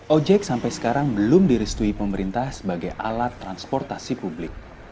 ojek sampai sekarang belum direstui pemerintah sebagai alat transportasi publik